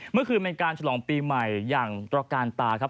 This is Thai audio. เมื่อคืนเป็นการฉลองปีใหม่อย่างตระการตาครับ